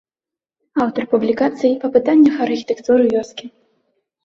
Аўтар публікацый па пытаннях архітэктуры вёскі.